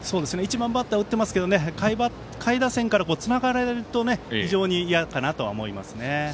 １番バッター打ってますが下位打線からつながれると非常に嫌かなとは思いますね。